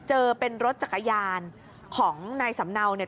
เจอเป็นรถจักรยานของนายสำเนาเนี่ย